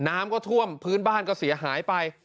น้ำก็ท่วมพื้นบ้านก็เสียหายไป